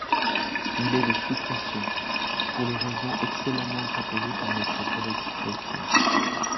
Il est de suppression, pour les raisons excellemment rappelées par notre collègue Chrétien.